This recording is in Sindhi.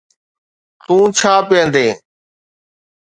تون ڇا پيئندين